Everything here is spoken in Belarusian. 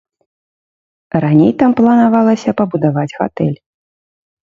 Раней там планавалася пабудаваць гатэль.